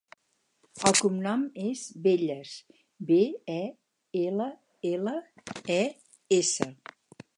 El cognom és Belles: be, e, ela, ela, e, essa.